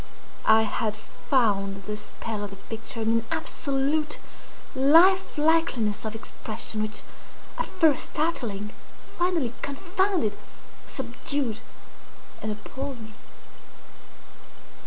I had found the spell of the picture in an absolute life likeliness of expression, which, at first startling, finally confounded, subdued, and appalled me.